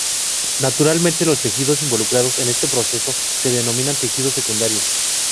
Naturalmente, los tejidos involucrados en este proceso se denominan tejidos secundarios.